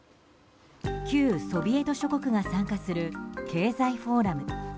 旧ソビエト諸国が参加する経済フォーラム。